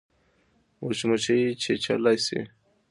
مچمچۍ چیچلای شي